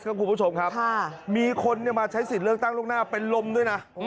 คุณผู้ชมครับมีคนมาใช้สิทธิ์เลือกตั้งล่วงหน้าเป็นลมด้วยนะ